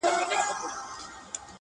فکر بايد بدل سي ژر,